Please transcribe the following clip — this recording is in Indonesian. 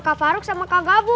kak farouk sama kak gabu